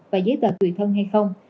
và giấy tờ tùy thân hay không